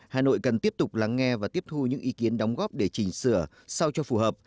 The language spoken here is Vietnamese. hà nội cần tiếp tục lắng nghe và tiếp thu những ý kiến đóng góp để chỉnh sửa sao cho phù hợp